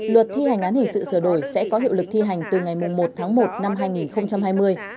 luật thi hành án hình sự sửa đổi sẽ có hiệu lực thi hành từ ngày một tháng một năm hai nghìn hai mươi